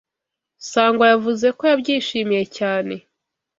Sangwa yavuze ko yabyishimiye cyane.